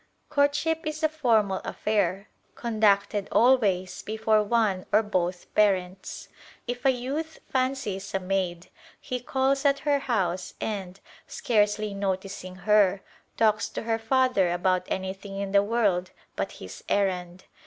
Courtship is a formal affair conducted always before one or both parents. If a youth fancies a maid, he calls at her house and, scarcely noticing her, talks to her father about anything in the world but his errand.